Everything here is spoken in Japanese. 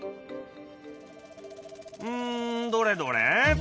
うんどれどれ？